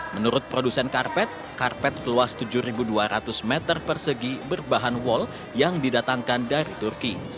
menurut produsen karpet karpet seluas tujuh dua ratus meter persegi berbahan wall yang didatangkan dari turki